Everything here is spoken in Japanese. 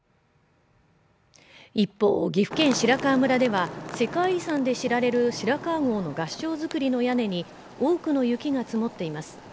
一方岐阜県白川村では世界遺産で知られる白川郷の合掌造りの屋根に多くの雪が積もっています